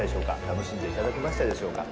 楽しんでいただけましたでしょうか？